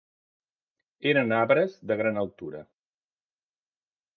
Eren arbres de gran altura.